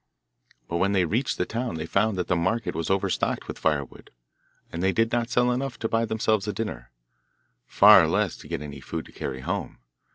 But when they reached the town they found that the market was overstocked with firewood, and they did not sell enough to buy themselves a dinner, far less to get any food to carry home.